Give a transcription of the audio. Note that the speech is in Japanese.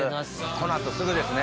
この後すぐですね。